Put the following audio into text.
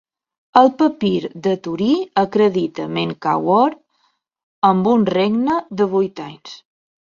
El papir de Turí acredita Menkauhor amb un regne de vuit anys.